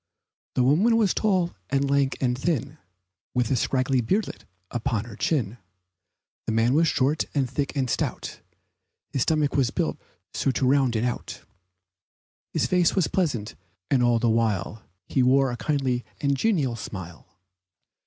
The woman was tall, and lank, and thin, With a scraggy beardlet upon her chin, The man was short, and thick and stout, His stomach was built so it rounded out, His face was pleasant, and all the while He wore a kindly and genial smile.